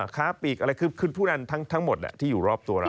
ค้าปีกอะไรคือผู้นั้นทั้งหมดที่อยู่รอบตัวเรา